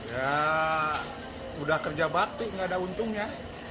ya udah kerja bakti nggak ada untungnya